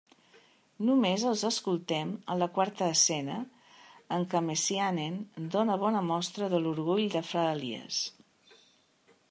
Només els escoltem en la quarta escena, en què Messiaen dóna bona mostra de l'orgull de fra Elies.